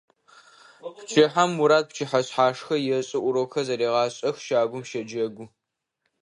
Пчыхьэм Мурат пчыхьэшъхьашхэ ешӏы, урокхэр зэрегъашӏэх, щагум щэджэгу.